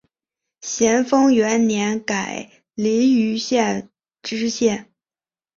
咸丰元年改临榆县知县。